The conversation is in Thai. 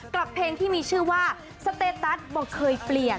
เพลงที่มีชื่อว่าสเตตัสบอกเคยเปลี่ยน